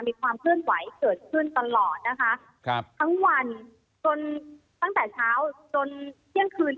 มีความเคลื่อนไหวเกิดขึ้นตลอดนะคะครับทั้งวันจนตั้งแต่เช้าจนเที่ยงคืน